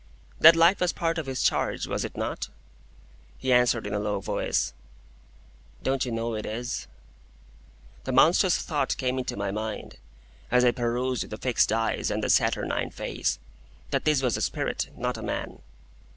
That light was part of his charge? Was it not? He answered in a low voice,—"Don't you know it is?" The monstrous thought came into my mind, as I perused the fixed eyes and the saturnine face, that this was a spirit, not a man.